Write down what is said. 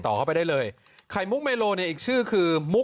ถ้าท่านใดสนใจก็ติดต่อมาได้ครับ